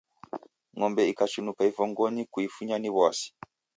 Ng'ombe ikachunuka ivongoyi, kuifunya ni w'asi.